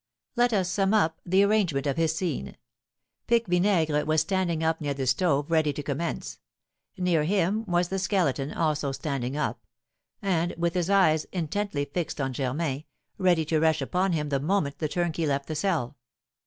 Let us sum up the arrangement of his scene. Pique Vinaigre was standing up near the stove ready to commence; near him was the Skeleton, also standing up, and with his eyes intently fixed on Germain, ready to rush upon him the moment the turnkey left the cell.